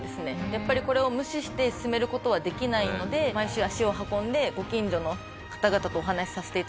やっぱりこれを無視して進める事はできないので毎週足を運んでご近所の方々とお話しさせていただいて。